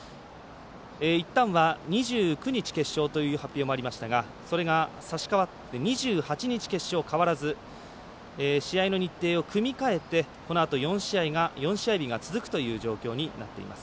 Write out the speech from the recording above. いったんは２９日決勝という発表もありましたがそれが、さし変わって２８日、決勝変わらず試合の日程を組み替えてこのあと、４試合日が続くという状況になっています。